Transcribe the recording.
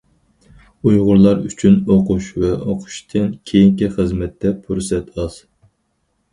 ئۇيغۇرلار ئۈچۈن ئوقۇش ۋە ئوقۇشتىن كېيىنكى خىزمەتتە پۇرسەت ئاز.